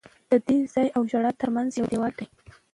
د دې ځای او ژړا ترمنځ یو دیوال دی.